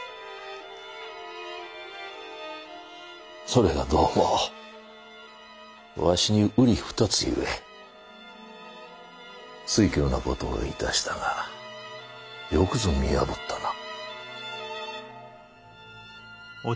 それがどうもわしにうり二つゆえ酔狂な事を致したがよくぞ見破ったな。